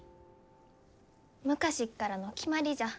昔っからの決まりじゃ。